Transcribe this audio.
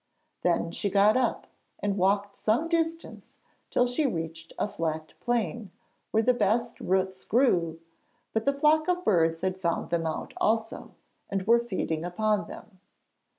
Then she got up and walked some distance till she reached a flat plain, where the best roots grew, but the flock of birds had found them out also, and were feeding upon them.